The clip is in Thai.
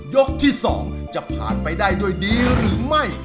ยกที่๒จะผ่านไปได้ด้วยดีหรือไม่